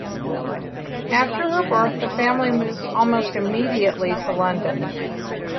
After her birth the family moved almost immediately to London.